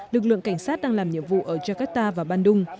lực lượng cảnh sát đang làm nhiệm vụ ở jakarta và bandung